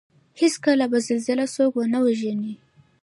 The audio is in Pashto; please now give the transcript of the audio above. هېڅکله به زلزله څوک ونه وژني